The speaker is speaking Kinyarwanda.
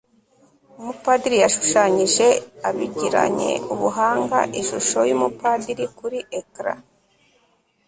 umupadiri yashushanyije abigiranye ubuhanga ishusho yumupadiri kuri ecran